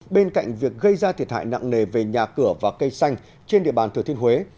bên cạnh việc gây ra thiệt hại nặng nề về nhà cửa và cây xanh trên địa bàn thừa thiên huế